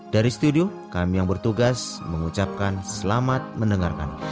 dari studio kami yang bertugas mengucapkan selamat mendengarkan